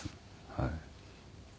はい。